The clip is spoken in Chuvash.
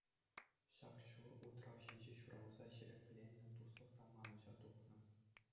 Ҫак ҫур утрав ҫинче ҫуралса ҫирӗпленнӗ туслӑх та манӑҫа тухнӑ.